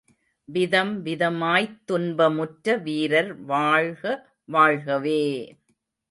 விதம்விதமாய்த் துன்ப முற்ற வீரர் வாழ்க, வாழ்கவே!